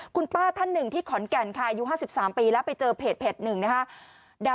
คุณป้าท่านหนึ่งที่ขอนแก่นค่ะอายุ๕๓ปีแล้วไปเจอเพจหนึ่งนะคะ